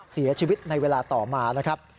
เสียชีวิตในเวลาต่อมานะครับ